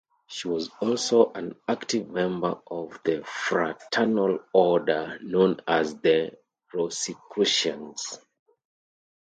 She was also an active member of the fraternal order known as the Rosicrucians.